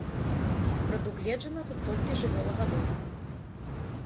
Прадугледжана тут толькі жывёлагадоўля.